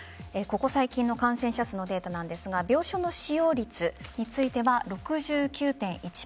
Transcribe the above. ここ最近の感染者数のデータなんですが病床の使用率については６９．１％